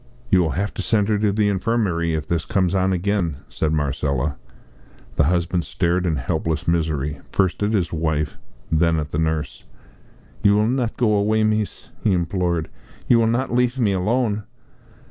"You will have to send her to the infirmary if this comes on again," said Marcella. The husband stared in helpless misery, first at his wife, then at the nurse. "You will not go away, mees," he implored, "you will not leaf me alone?"